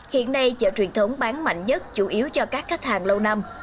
hiện nay chợ truyền thống bán mạnh nhất chủ yếu cho các khách hàng lâu năm